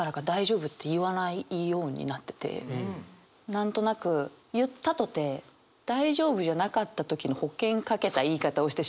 何となく言ったとて大丈夫じゃなかった時の保険かけた言い方をしてしまうというか。